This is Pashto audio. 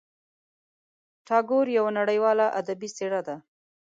ټاګور یوه نړیواله ادبي څېره ده.